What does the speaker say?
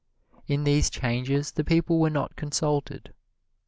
In these changes the people were not consulted.